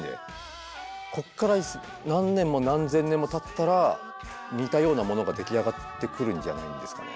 こっから何年も何千年もたったら似たようなものが出来上がってくるんじゃないんですかね。